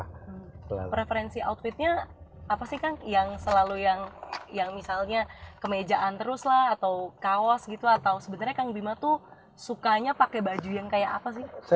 preferensi outfitnya apa sih kang yang selalu yang misalnya kemejaan terus lah atau kaos gitu atau sebenarnya kang bima tuh sukanya pakai baju yang kayak apa sih